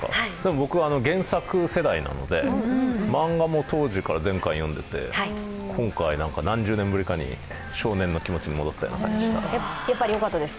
僕、原作世代なので漫画も当時から全巻読んでて、今回何十年ぶりかに少年の気持ちに戻ったような感じです。